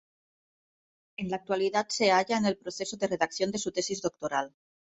En la actualidad se halla en el proceso de redacción de su Tesis Doctoral.